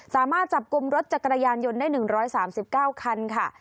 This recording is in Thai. สามารถจับกลุ่มรถจักรยานยนต์ได้๑๓๙คันค่ะ